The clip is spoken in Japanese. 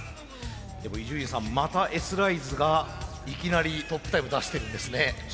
でも伊集院さんまたＳライズがいきなりトップタイム出してるんですね。